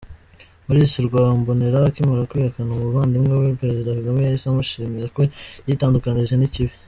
Maurice Rwambonera akimara kwihakana umuvandimwe we, Perezida Kagame yahise amushimira ko yitandukanije n’ikibi!